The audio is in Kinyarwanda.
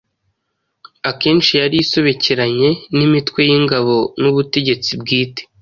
akenshi yari isobekeranye n'imitwe y'ingabo n'ubutegetsi bwite.